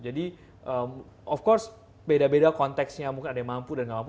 jadi of course beda beda konteksnya mungkin ada yang mampu dan nggak mampu